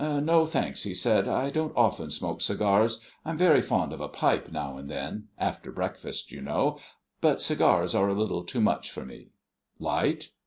"No, thanks," he said; "I don't often smoke cigars. I'm very fond of a pipe now and then after breakfast, you know; but cigars are a little too much for me. Light?"